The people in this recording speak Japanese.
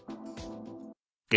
え？